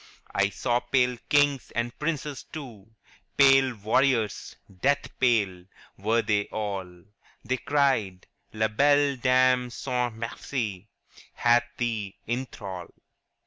*I saw pale kings, and princes too, Pale warriors, death pale were they all ; They cried ŌĆö " La belle Dame sans merci Hath thee in thrall